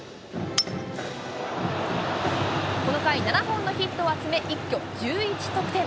この回、７本のヒットを集め、一挙１１得点。